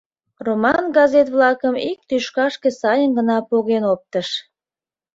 Роман газет-влакым ик тӱшкашке сайын гына поген оптыш.